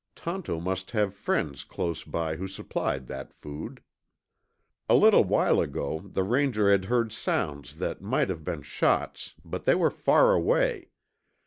Tonto must have friends close by who supplied that food. A little while ago, the Ranger had heard sounds that might have been shots, but they were far away.